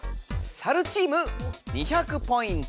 サルチーム２００ポイント。